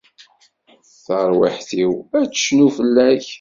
Tarwiḥt-iw ad tcennu fell-ak.